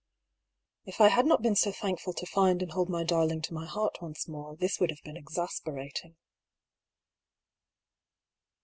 " If I had not been so thankful to find and hold my darling to my heart once more, this would have been exasperating.